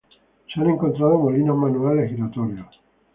Se han encontrado molinos manuales giratorios.